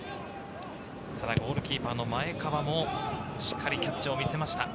ゴールキーパーの前川もしっかりキャッチを見せました。